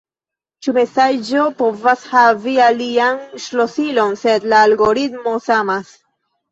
Ĉiu mesaĝo povas havi alian ŝlosilon, sed la algoritmo samas.